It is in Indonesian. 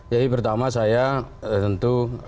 jadi pertama saya tentu